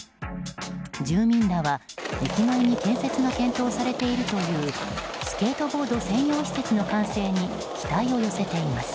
住民らは駅前に建設が検討されているというスケートボード専用施設の完成に期待を寄せています。